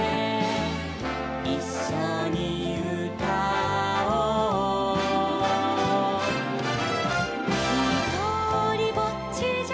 「いっしょにうたおう」「ひとりぼっちじゃ」